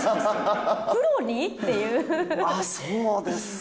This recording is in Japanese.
そうですか。